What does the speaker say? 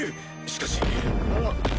しかし。